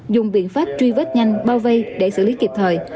dùng biện pháp truy vết nhanh bao vây để xử lý kịp thời